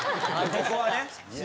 「ここはね」